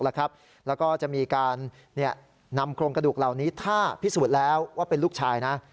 แล้วก็จะมีการนำโครงกระดูกเหล่านี้ถ้าพิสูจน์แล้วว่าเป็นลูกชายนะ